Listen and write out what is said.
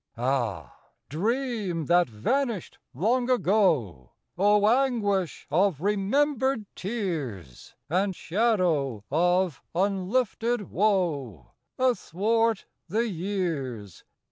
Ah, dream that vanished long ago! Oh, anguish of remembered tears! And shadow of unlifted woe Athwart the years!